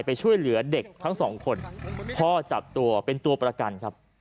ไปช่วยเหลือเด็กทั้งสองคนพ่อจับตัวเป็นตัวประกันครับ